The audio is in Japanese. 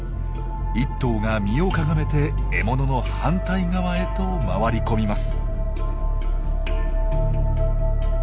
１頭が身をかがめて獲物の反対側へと回り込みます。